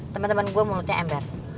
temen temen gue mulutnya ember